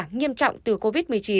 nghiêm trọng từ covid một mươi chín